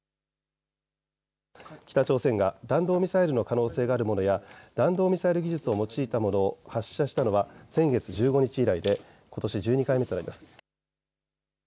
北朝鮮が弾道ミサイルの可能性があるものや弾道ミサイル技術を用いたものを発射したのは先月１５日以来でことし１２回目となります。